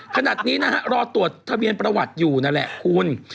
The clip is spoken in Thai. ขนาดนี้นะฮะรอตรวจทะเบียนประวัติอยู่นั่นแหละคุณ